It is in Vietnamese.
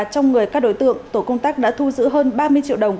trong người các đối tượng tổ công tác đã thu giữ hơn ba mươi triệu đồng